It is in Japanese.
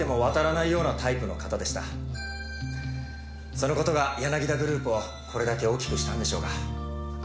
その事がヤナギダグループをこれだけ大きくしたんでしょうが。